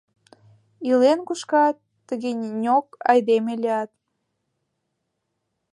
«Илен кушкат, тыгеньок айдеме лият».